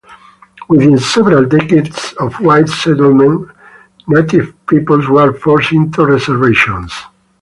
Within several decades of white settlement, native peoples were forced into reservations.